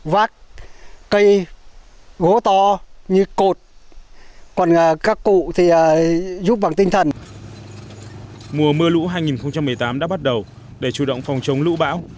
mùa mưa lũ hai nghìn một mươi tám đã bắt đầu để chủ động phòng chống lũ bão